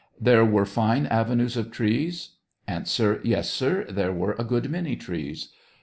There were fine avenues of trees ? A. Yes, sir, there were a good many trees.